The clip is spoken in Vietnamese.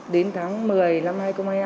đến tháng một mươi năm hai nghìn hai mươi hai